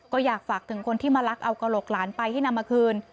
ก็อยากฝากถึงคนที่มาลักเอากระโหลกหลานไปให้นำมาคืน